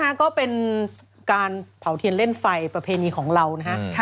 นะฮะก็เป็นการเผาเทียนเล่นไฟประเพณีของเรานะฮะ